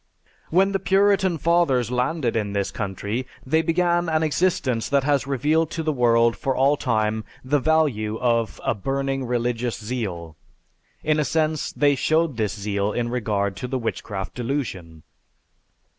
When the Puritan Fathers landed in this country, they began an existence that has revealed to the world for all time the value of a "burning religious zeal." In a sense they showed this zeal in regard to the Witchcraft Delusion.